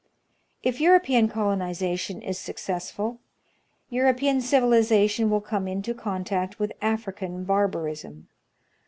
If European colonization is successful, European civilization will come into contact with African barbarism.